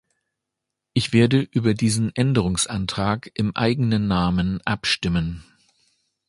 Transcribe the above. Ich werde über diesen Änderungsantrag im eigenen Namen abstimmen.